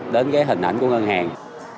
đến cái hình ảnh của ngân hàng